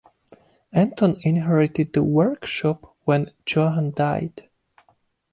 Anton inherited the workshop when Johann died.